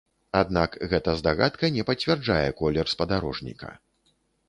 Аднак гэта здагадка не пацвярджае колер спадарожніка.